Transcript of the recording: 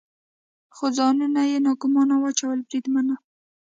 خو ځانونه یې ناګومانه واچول، بریدمنه.